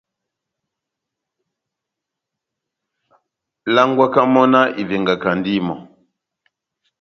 Langwaka mɔ́ náh ivengakandi mɔ́.